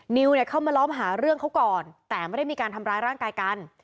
นิวเนี่ยเข้ามาล้อมหาเรื่องเขาก่อนแต่ไม่ได้มีการทำร้ายร่างกายกัน